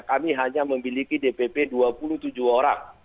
kami hanya memiliki dpp dua puluh tujuh orang